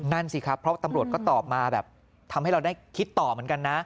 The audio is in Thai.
นั่นสิครับเพราะตำรวจก็ตอบมาแบบทำให้เราได้คิดต่อเหมือนกันนะ